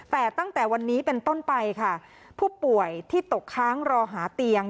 แต่ตั้งแต่วันนี้เป็นต้นไปค่ะผู้ป่วยที่ตกค้างรอหาเตียง